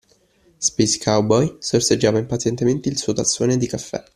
Space Cowboy sorseggiava impazientemente il suo tazzone di caffè.